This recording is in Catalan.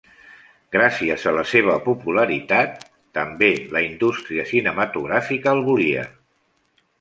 Gràcies a la seva popularitat, també la indústria cinematogràfica el volia.